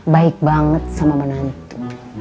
baik banget sama menantu